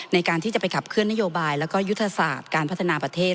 ในการที่จะไปขับเคลื่อนนโยบายแล้วก็ยุทธศาสตร์การพัฒนาประเทศ